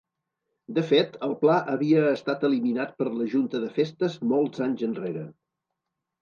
De fet, el pla havia estat eliminat per la junta de festes molts anys enrere.